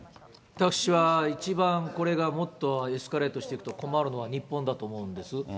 私は一番これがもっとエスカレートしていくと困るのは日本だと思うんです。